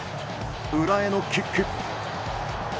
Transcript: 裏へのキック。